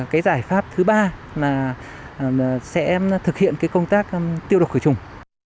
cái giải pháp thứ ba là sẽ thực hiện cái công tác tiêu độc khởi trùng